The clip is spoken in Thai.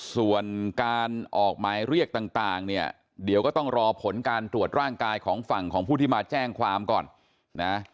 ส่วนการออกหมายเรียกต่างเนี่ยเดี๋ยวก็ต้องรอผลการตรวจร่างกายของฝั่งของผู้ที่มาแจ้งความก่อนนะ